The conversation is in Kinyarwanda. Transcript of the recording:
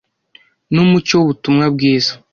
n’umucyo w’ubutumwa bwiza